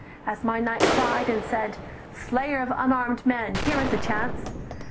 as my knight cried and said: 'Slayer of unarm'd men, here is a chance!